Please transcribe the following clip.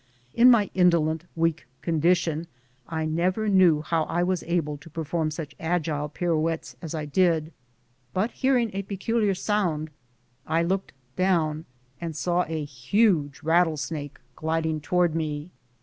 In my indolent, weak condition I never knew how I was able to perform such agile pirouettes as I did ; but hearing a peculiar sound, I looked down and saw a huge rattlesnake gliding towards me.